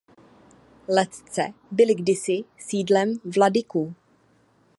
Ledce byly kdysi sídlem vladyků.